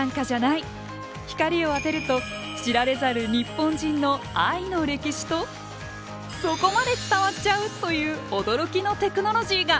光を当てると知られざる日本人の愛の歴史とそこまで伝わっちゃう⁉という驚きのテクノロジーが！